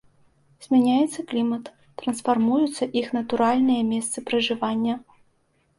Змяняецца клімат, трансфармуюцца іх натуральныя месцы пражывання.